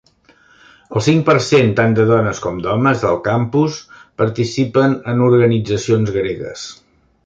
El cinc per cent tant de dones com d'homes del campus participen en organitzacions gregues.